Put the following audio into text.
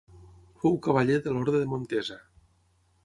Fou cavaller de l'Orde de Montesa.